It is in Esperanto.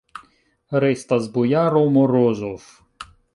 Restas bojaro Morozov.